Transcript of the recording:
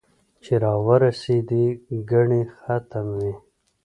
چې را ورېسېدې ګنې ختم وې